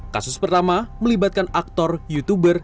kasus pertama melibatkan aktor youtuber